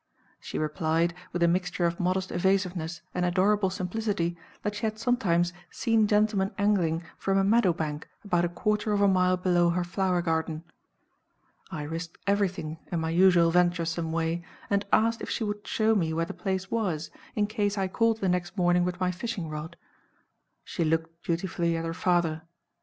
She replied, with a mixture of modest evasiveness and adorable simplicity, that she had sometimes seen gentlemen angling from a meadow bank about a quarter of a mile below her flower garden. I risked everything in my usual venturesome way, and asked if she would show me where the place was, in case I called the next morning with my fishing rod. She looked dutifully at her father.